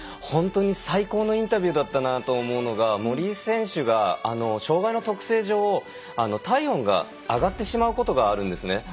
本当に最高のインタビューだったなと思うのが森井選手が障がいの特性上体温が上がってしまうことがあるんですね。